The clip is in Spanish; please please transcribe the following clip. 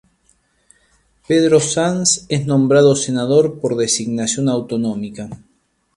Pedro Sanz es nombrado senador por designación autonómica.